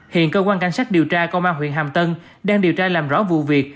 hiện cơ quan cảnh sát điều tra công an huyện hàm tân đang điều tra làm rõ vụ việc